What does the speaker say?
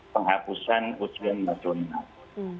penghapusan ujian madunah